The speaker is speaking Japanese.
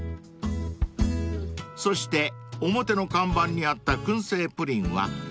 ［そして表の看板にあった燻製プリンは］